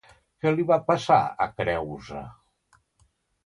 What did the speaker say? Què li va passar a Creüsa?